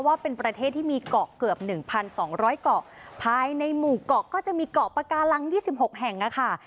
ว่าเป็นประเทศที่มีเกาะเกือบหนึ่งพันสองร้อยเกาะภายในหมู่เกาะก็จะมีเกาะปากาลังยี่สิบหกแห่งน่ะค่ะ